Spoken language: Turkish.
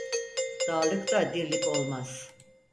Darlıkta dirlik olmaz.